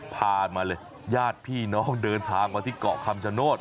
พามาเลยญาติพี่น้องเดินทางมาที่เกาะคำชโนธ